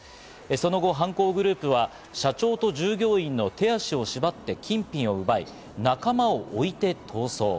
その後、犯行グループは社長と従業員の手足を縛って金品を奪い、仲間を置いて逃走。